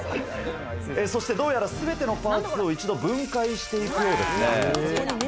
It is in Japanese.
そしてどうやら全てのパーツを一度分解して行くようですね。